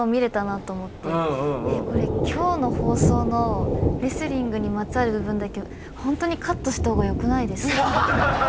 今日の放送のレスリングにまつわる部分だけホントにカットした方がよくないですか？